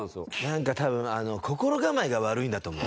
なんか多分心構えが悪いんだと思う。